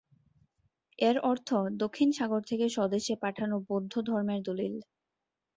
এর অর্থ ‘দক্ষিণ সাগর থেকে স্বদেশে পাঠানো বৌদ্ধ ধর্মের দলিল’।